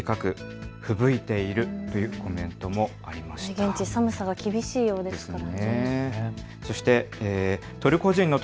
現地、寒さ、厳しいようですよね。